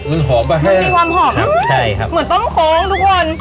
มันหอมป่ะมันมีความหอมใช่ครับเหมือนต้มโค้งทุกคน